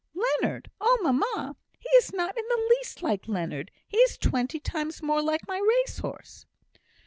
"Leonard! Oh, mamma, he is not in the least like Leonard. He is twenty times more like my race horse.